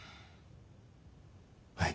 はい。